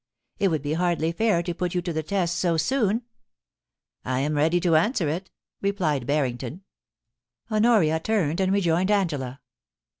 It would be hardly fair to put you to the test so soon.' ' I am ready to answer it,' replied Barrington. i6o POLICY AND PASSION, Honoria turned and rejoined Angela.